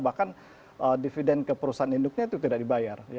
bahkan dividen ke perusahaan induknya itu tidak dibayar